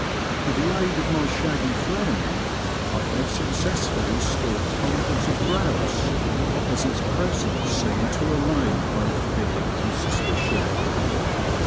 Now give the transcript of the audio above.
With the aid of my shaggy friend I have successfully stalked hundreds of grouse, as its presence seemed to allay both fear and suspicion.